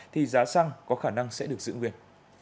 thì giá xăng có khả năng sẽ được giữ nguyên